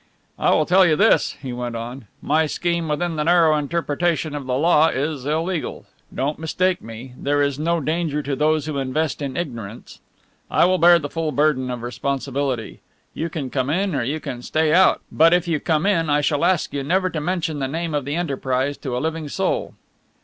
"I will tell you this," he went on, "my scheme within the narrow interpretation of the law is illegal don't mistake me, there is no danger to those who invest in ignorance. I will bear the full burden of responsibility. You can come in or you can stay out, but if you come in I shall ask you never to mention the name of the enterprise to a living soul."